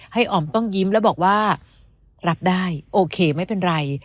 อ๋อมต้องยิ้มแล้วบอกว่ารับได้โอเคไม่เป็นไร